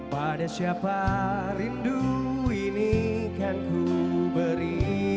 pada siapa rindu ini kan kuberi